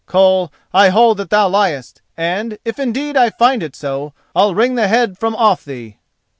Koll, I hold that thou liest; and, if indeed I find it so, I'll wring the head from off thee!"